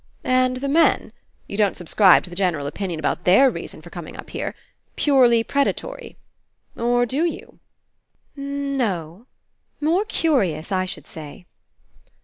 "And the men? You don't subscribe to the general opinion about their reason for com ing up here. Purely predatory. Or, do you?" 139 PASSING "N no. More curious, I should say."